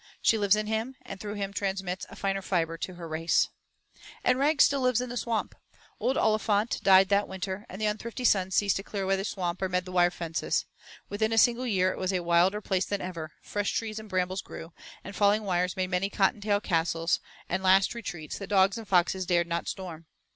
She lives in him, and through him transmits a finer fibre to her race. And Rag still lives in the Swamp. Old Olifant died that winter, and the unthrifty sons ceased to clear the Swamp or mend the wire fences. Within a single year it was a wilder place than ever; fresh trees and brambles grew, and falling wires made many Cottontail castles and last retreats that dogs and foxes dared not storm.